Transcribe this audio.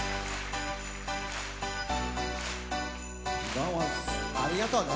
どうもっすありがとね。